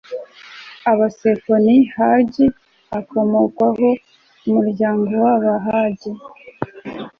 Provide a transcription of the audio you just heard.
w abasefoni hagi akomokwaho n umuryango w abahagi